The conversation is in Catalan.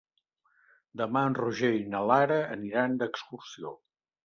Demà en Roger i na Lara aniran d'excursió.